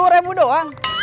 lima puluh remu doang